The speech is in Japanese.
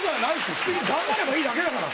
普通に頑張ればいいだけだから。